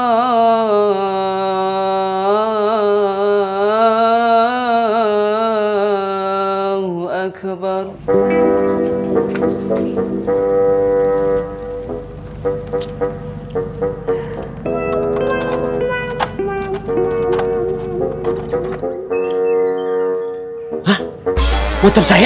hah motor saya